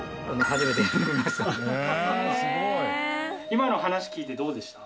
今の話聞いてどうでした？